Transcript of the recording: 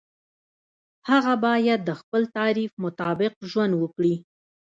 هغه باید د خپل تعریف مطابق ژوند وکړي.